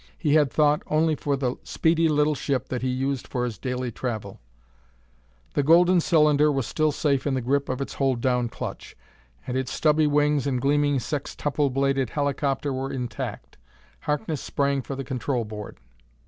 He had thought only for the speedy little ship that he used for his daily travel. The golden cylinder was still safe in the grip of its hold down clutch, and its stubby wings and gleaming sextuple bladed helicopter were intact. Harkness sprang for the control board.